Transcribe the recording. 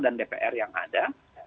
dan dpr yang ada